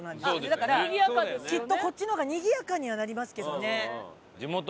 だからきっとこっちの方がにぎやかにはなりますけどね。